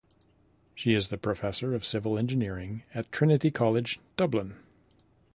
She is the Professor of Civil Engineering at Trinity College Dublin.